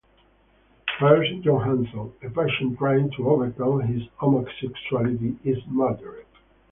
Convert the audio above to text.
First, John Hanson, a patient trying to overcome his homosexuality, is murdered.